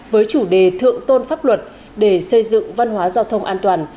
với chủ đề thượng tôn pháp luật để xây dựng văn hóa giao thông an toàn